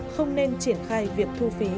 không nên triển khai việc thu phí